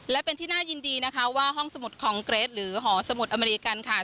และเป็นที่น่ายินดีนะคะว่าห้องสมุดคองเกรดหรือหอสมุดอเมริกันค่ะ